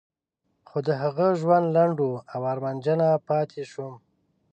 خو د هغه ژوند لنډ و او ارمانجنه پاتې شوم.